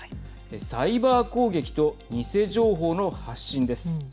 サイバー攻撃と偽情報の発信です。